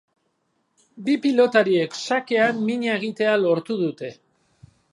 Bi pilotariek sakean mina egitea lortu dute.